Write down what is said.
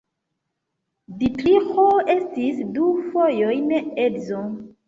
Ditriĥo estis du fojojn edzo.